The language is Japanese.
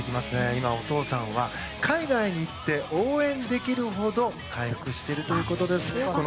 今お父さんは、海外に行って応援できるほど回復しているということです。